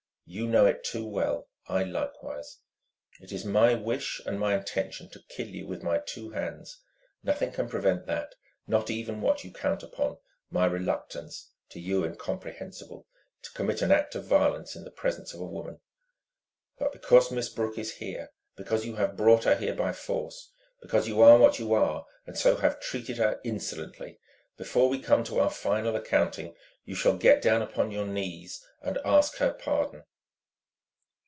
You know it too well I likewise. It is my wish and my intention to kill you with my two hands. Nothing can prevent that, not even what you count upon, my reluctance to you incomprehensible to commit an act of violence in the presence of a woman. But because Miss Brooke is here, because you have brought her here by force, because you are what you are and so have treated her insolently ... before we come to our final accounting, you shall get down upon your knees and ask her pardon."